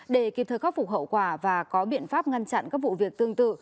để kịp thời khắc phục hậu quả và có biện pháp ngăn chặn các vụ việc tương tự